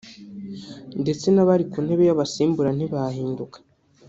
ndetse n’abari ku ntebe y’abasimbura ntibahinduka